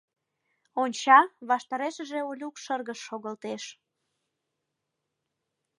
Онча: ваштарешыже Олюк шыргыж шогылтеш.